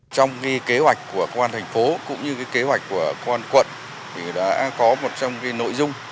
trong cái kế hoạch của quan thành phố cũng như cái kế hoạch của quan quận thì đã có một trong cái nội dung